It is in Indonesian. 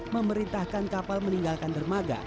memerintahkan kapal meninggalkan dermaga